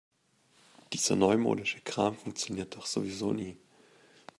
Dieser neumodische Kram funktioniert doch sowieso nie.